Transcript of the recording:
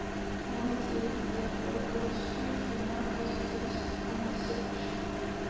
მონაწილეობდა პროგრესულ ჟურნალ-გაზეთების გამოცემაში.